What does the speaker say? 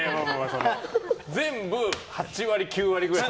全部、８割９割くらい。